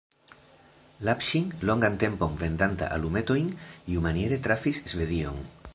Lapŝin, longan tempon vendanta alumetojn, iumaniere trafis Svedion.